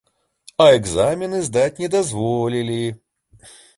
А экзамены здаць не дазволілі.